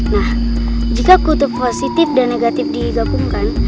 nah jika kutub positif dan negatif digabungkan